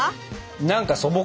何か素朴。